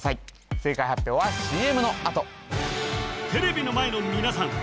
正解発表はＣＭのあとテレビの前の皆さん